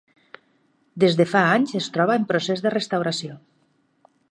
Des de fa uns anys es troba en procés de restauració.